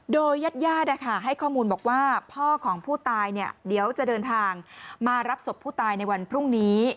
โดยญาติให้ข้อมูลบอกว่าพ่อของผู้ตายเดี๋ยวจะเดินทางมารับศพผู้ตายในวันพรุ่งนี้